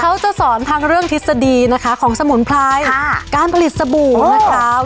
เขาจะสอนทางเรื่องทฤษฎีนะคะของสมุนไพรการผลิตสบู่นะคะ